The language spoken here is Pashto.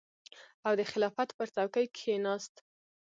او د خلافت پر څوکۍ کېناست.